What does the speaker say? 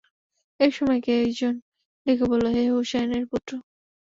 এমন সময় কে একজন ডেকে বলল, হে হুসায়নের পুত্র!